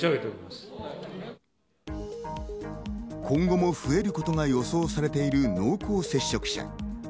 今後も増えることが予想されている濃厚接触者。